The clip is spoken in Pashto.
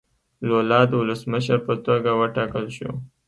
لولا د ولسمشر په توګه وټاکل شو.